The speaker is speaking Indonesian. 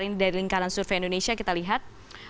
ini dari lingkaran survei indonesia kita lihat